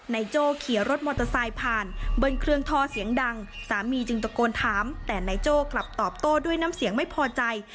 โจ้ขี่รถมอเตอร์ไซค์ผ่านบนเครื่องทอเสียงดังสามีจึงตะโกนถามแต่นายโจ้กลับตอบโต้ด้วยน้ำเสียงไม่พอใจ